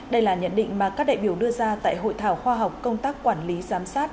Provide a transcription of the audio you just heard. đây là nhận định mà các đại biểu đưa ra tại hội thảo khoa học công tác quản lý giám sát